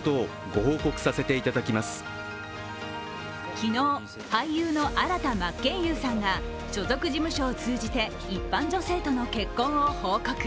昨日、俳優の新田真剣佑さんが所属事務所を通じて一般女性との結婚を報告。